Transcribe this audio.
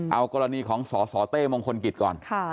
เอากรณีของสสเต้มงคลกิจก่อน